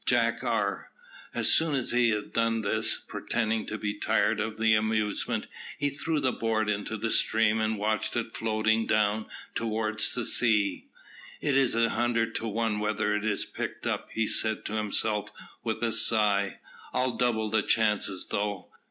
Jack R." As soon as he had done this, pretending to be tired of the amusement, he threw the board into the stream and watched it floating down towards the sea. "It is a hundred to one whether it is picked up," he said to himself with a sigh, "I'll double the chances though."